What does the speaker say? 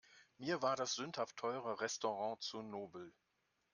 Mir war das sündhaft teure Restaurant zu nobel.